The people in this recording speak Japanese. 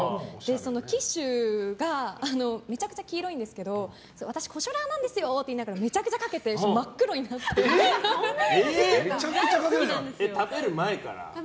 そのキッシュがめちゃくちゃ黄色いんですけど私、コショラーなんですよって言いながらめちゃくちゃかけて食べる前から？